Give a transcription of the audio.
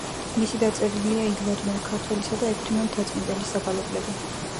მისი დაწერილია ილარიონ ქართველისა და ექვთიმე მთაწმიდლის საგალობლები.